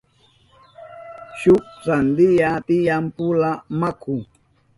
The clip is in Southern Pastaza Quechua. Shuk sandiya tiyan pula maku.